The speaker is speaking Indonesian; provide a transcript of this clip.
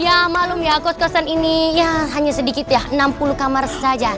ya malu ya kos kosan ini ya hanya sedikit ya enam puluh kamar saja